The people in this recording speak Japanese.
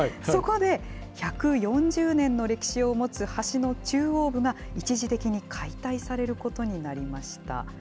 そこで、１４０年の歴史を持つ橋の中央部が、一時的に解体されることになりました。